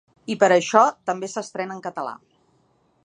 I per això també s’estrena en català.